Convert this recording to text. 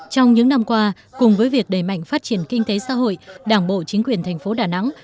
trong những năm qua cùng với việc đẩy mạnh phát triển kinh tế xã hội đảng bộ chính quyền thành phố đà nẵng